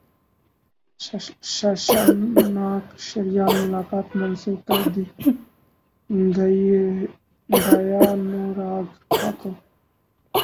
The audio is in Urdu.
ششانک شہریار ملاقات منسوخ کردی گئیانوراگ ٹھاکر